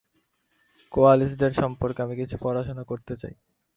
কোয়ালিস্টদের সম্পর্কে আমি কিছু পড়াশোনা করতে চাই।